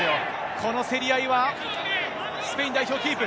この競り合いは、スペイン代表、キープ。